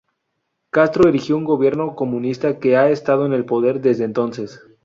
Castro erigió un gobierno comunista que ha estado en el poder desde entonces.